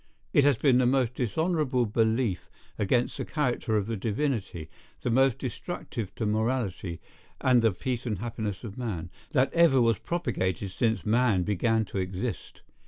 It has been the most dishonourable belief against the character of the divinity, the most destructive to morality, and the peace and happiness of man, that ever was propagated since man began to exist.